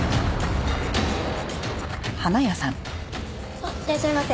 あっいらっしゃいませ。